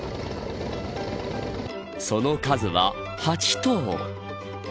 その数は８頭。